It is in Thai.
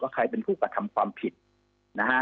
ใครเป็นผู้กระทำความผิดนะฮะ